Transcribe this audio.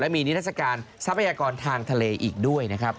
มีนิทัศกาลทรัพยากรทางทะเลอีกด้วยนะครับ